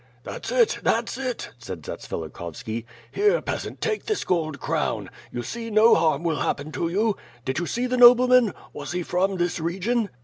"That's it! that's it!'' said Zatsvilikhovski. "Here peasant, take this gold crown; you see no harm will happen to you. Did you see the nobleman? Was he from this region?"